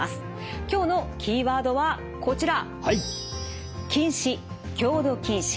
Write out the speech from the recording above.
今日のキーワードはこちら。